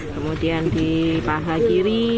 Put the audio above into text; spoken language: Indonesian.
kemudian di paha kiri